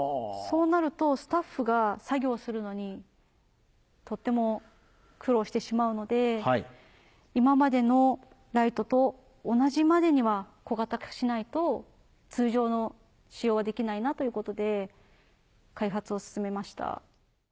そうなるとスタッフが作業するのにとっても苦労してしまうので今までのライトと同じまでには小型化しないと通常の使用はできないなということで開発を進めました。